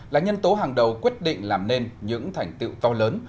là nhân tố hàng đầu quyết định làm nên những thành tựu to lớn